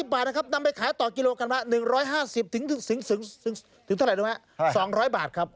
๑๓๐บาทนะครับนำไปขายต่อกิโลกรัมละ๑๕๐๒๐๐บาทครับ